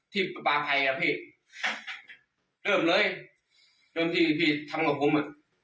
ที่ประภัยแล้วพี่เริ่มเลยจนทีพี่ทำกับผมอ่ะ